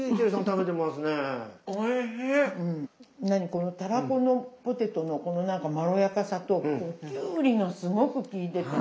このたらこのポテトのこのなんかまろやかさときゅうりがすごくきいててね。